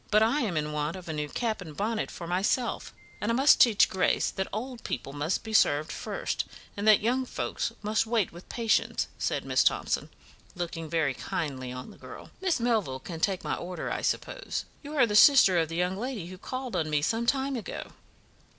"But I am in want of a new cap and bonnet for myself, and I must teach Grace that old people must be served first, and that young folks must wait with patience," said Miss Thomson, looking very kindly on the girl. "Miss Melville can take my order, I suppose? You are the sister of the young lady who called on me some time ago?"